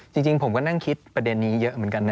จริงผมก็นั่งคิดประเด็นนี้เยอะเหมือนกันนะ